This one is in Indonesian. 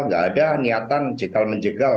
nggak ada niatan jegal menjegal